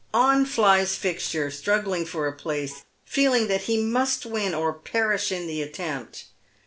On flies Fixture, struggling for a place, feeling that he must win or perish in the attempt.